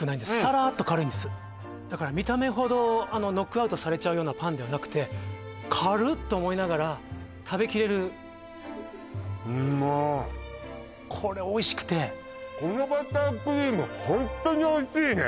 らーっと軽いんですだから見た目ほどノックアウトされちゃうようなパンではなくて「軽っ」と思いながら食べ切れるうんまいこれおいしくてこのバタークリームホントにおいしいね